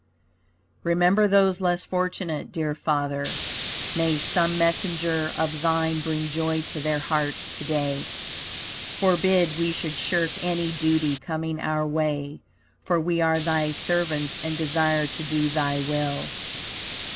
Remember those less fortunate, dear Father, May some messenger of thine bring joy to their hearts today. Forbid we should shirk any duty coming our way, for we are thy servants and desire to do thy will.